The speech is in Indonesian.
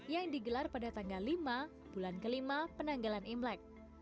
yang digelar pada tanggal lima bulan kelima penanggalan imlek